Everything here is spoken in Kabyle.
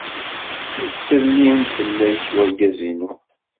Yettsellim-d fell-ak wergaz-inu.